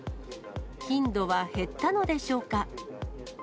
頻度は減ったのでしょうか。